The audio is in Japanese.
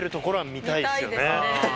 見たいですね。